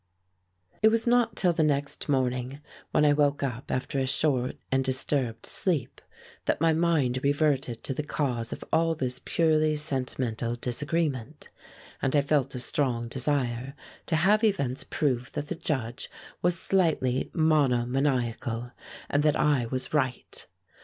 It was not till the next morning, when I woke up after a short and disturbed sleep, that my mind reverted to the cause of all this purely sentimental disagreement, and I felt a strong desire to have events prove that the Judge was slightly monomaniacal, and that I was right.